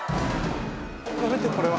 やめてこれは。